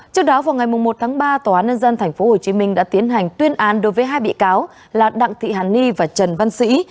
trước đó vào ngày một tháng ba tòa án nhân dân thành phố hồ chí minh đã tiến hành tuyên án đối với hai bị cáo là đặng thị hàn ni và trần văn sĩ